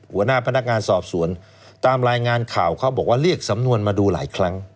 หัวหน้าพนักงานสอบสวนตามรายงานข่าวเขาบอกว่าเรียกสำนวนมาดูหลายครั้ง